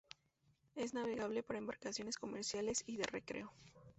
Es navegable para embarcaciones comerciales y de recreo.